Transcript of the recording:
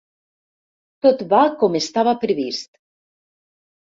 Tot va com estava previst.